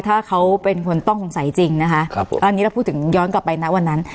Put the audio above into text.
ถ้าเขาเป็นคนต้องสงสัยจริงนะคะครับผมอันนี้เราพูดถึงย้อนกลับไปนะวันนั้น